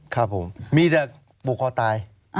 ครับผมมีแต่ผูกคอตาย